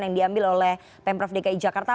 yang diambil oleh pemprov dki jakarta